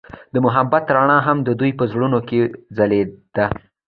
د محبت رڼا هم د دوی په زړونو کې ځلېده.